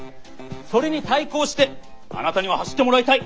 それに対抗してあなたには走ってもらいたい！